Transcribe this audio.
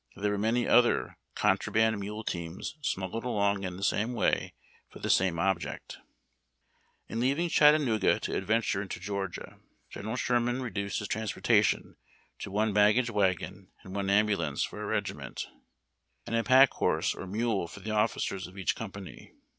Tliere were many other "contraband" mule teams smug gled along in the same way for the same object. In leaving Chattanooga to advance into Georgia, General Sherman reduced his transportation to one baggage wagon and one ambulance for a regiment, and a pack horse or mule for the officers of each company.